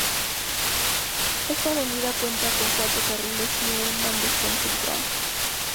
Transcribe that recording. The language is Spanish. Esta Avenida cuenta con cuatro carriles y un bandejón central.